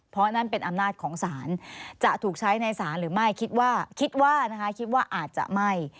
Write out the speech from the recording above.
เพราะนั้นเป็นอำนาจของสารจะถูกใช้ในสารหรือไม่คิดว่าอาจจะไม่